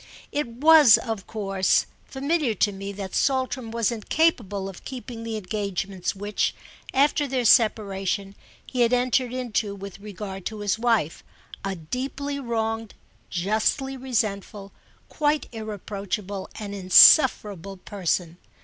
It was of course familiar to me that Saltram was incapable of keeping the engagements which, after their separation, he had entered into with regard to his wife, a deeply wronged, justly resentful, quite irreproachable and insufferable person.